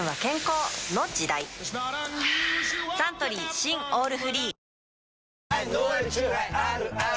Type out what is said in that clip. はぁサントリー新「オールフリー」あぃ！